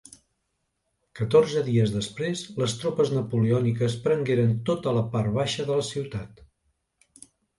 Catorze dies després les tropes napoleòniques prengueren tota la part baixa de la ciutat.